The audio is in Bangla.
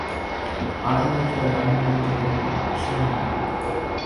আড়ালে আসিয়া দামিনী আমাকে বলিল, সে হয় না।